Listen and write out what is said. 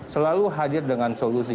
selalu hadir dengan solusi